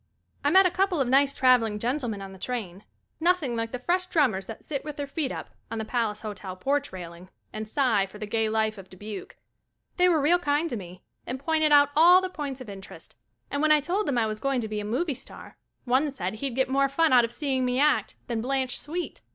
I met a couple of nice travelling gentle men on the train. Nothing like the fresh drummers that sit with their feet up on The Palace Hotel porch railing and sigh for the gay life of Dubuque. They were real kind to me and pointed out all the points of interest and when I told them I was going to be a movie star, one said he'd get more fun out of seeing me act than Blanche Sweet.